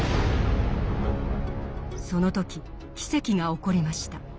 その時奇蹟が起こりました。